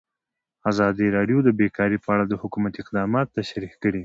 ازادي راډیو د بیکاري په اړه د حکومت اقدامات تشریح کړي.